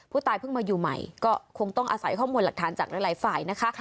ผู้ตายเพิ่งมาอยู่ใหม่ก็คงต้องอาศัยข้อมูลหลักฐานจากหลายฝ่ายนะคะ